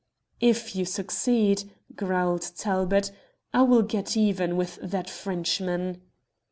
"If you succeed," growled Talbot, "I will get even with that Frenchman."